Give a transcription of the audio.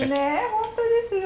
本当ですよ。